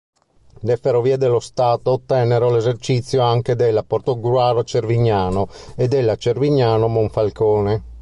Le Ferrovie dello Stato ottennero l'esercizio anche della Portogruaro-Cervignano e della Cervignano-Monfalcone.